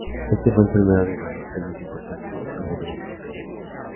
Este fue el primero de varios premios importantes que obtuvo durante su carrera.